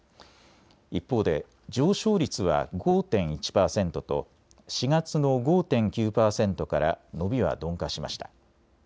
一方で上昇率は５．１％と４月の５．９％から伸びは鈍化しました。